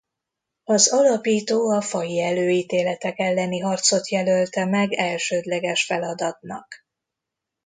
Az alapító a faji előítéletek elleni harcot jelölte meg elsődleges feladatnak.